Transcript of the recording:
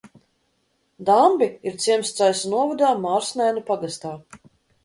Dambi ir ciems Cēsu novada Mārsnēnu pagastā.